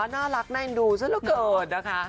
น่ารักแน่นดูซะละเกิดนะคะ